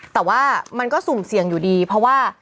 แต่ว่ามันก็สุ่มเสี่ยงอยู่ดีเพราะว่า